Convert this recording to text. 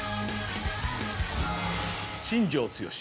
新庄剛志。